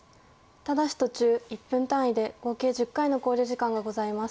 ただし途中１分単位で合計１０回の考慮時間がございます。